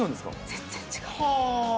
全然違う。